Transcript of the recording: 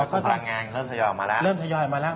กว่าความพลังงานเริ่มถยอดออกมาแล้ว